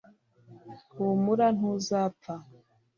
humura; ntuzapfa